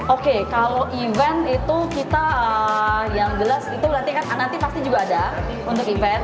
oke kalau event itu kita yang jelas itu berarti kan nanti pasti juga ada untuk event